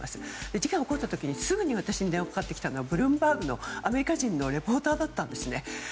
事件が起こった時すぐに私に電話がかかってきたのはブルームバーグのアメリカ人のリポーターだったんですね。